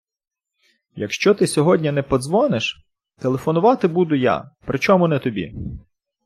Якщо ти сьогодні не подзвониш, телефонувати буду я. Причому не тобі!